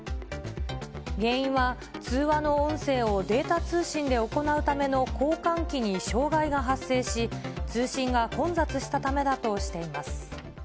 原因は、通話の音声をデータ通信で行うための交換機に障害が発生し、通信が混雑したためだとしています。